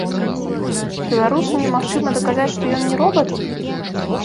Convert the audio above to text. Беларусу немагчыма даказаць, што ён не робат?!